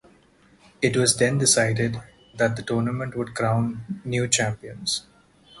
It was then decided than the tournament would crown new champions.